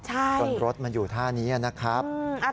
จนรถมันอยู่ท่านี้นะครับ